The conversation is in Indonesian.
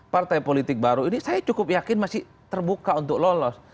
partai politik baru ini saya cukup yakin masih terbuka untuk lolos